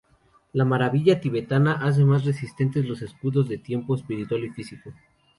La Maravilla Tibetana hace más resistentes los escudos de tipo espiritual y físico.